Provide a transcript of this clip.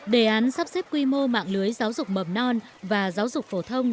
đề án sắp xếp quy mô mạng lưới giáo dục mầm non và giáo dục phổ thông